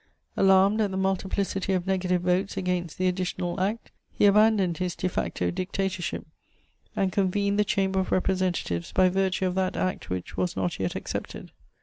Alarmed at the multiplicity of negative votes against the "Additional Act," he abandoned his de facto dictatorship and convened the Chamber of Representatives by virtue of that Act which was not yet accepted.